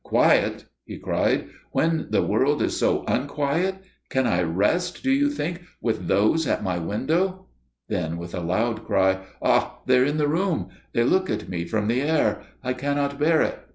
"Quiet?" he cried, "when the world is so unquiet! Can I rest, do you think, with those at my window?" Then, with a loud cry, "Ah! they are in the room! They look at me from the air! I cannot bear it."